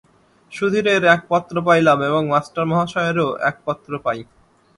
সুধীরের এক পত্র পাইলাম এবং মাষ্টার মহাশয়েরও এক পত্র পাই।